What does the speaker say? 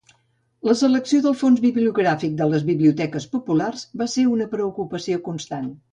La selecció del fons bibliogràfic de les biblioteques populars va ser una preocupació constant.